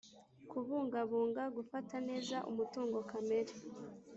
Kubungabunga gufata neza umutungo kamere